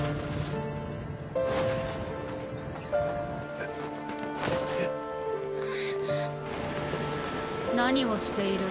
うっうぅ（何をしている？